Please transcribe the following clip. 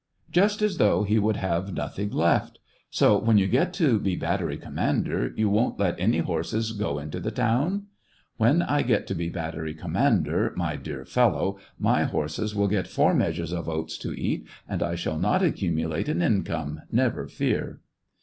" Just as though he would have nothing left ! So when you get to be battery commander, you won't let any horses go into the town 1 "" When I get to be battery commander, my SEVASTOPOL IN AUGUST. 213 dear fellow, my horses will get four measures of oats to eat, and I shall not accumulate an income, never fear